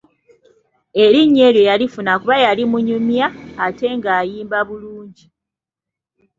Erinnya eryo yalifuna kuba yali munyumya ate nga ayimba bulungi nnyo.